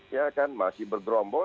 ya kan masih bergrombol